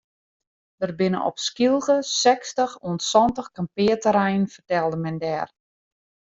Der binne op Skylge sechstich oant santich kampearterreinen fertelde men dêre.